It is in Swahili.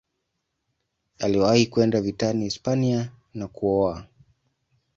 Aliwahi kwenda vitani Hispania na kuoa.